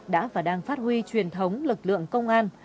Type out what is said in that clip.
đã và đang phát huy truyền thống lực lượng công an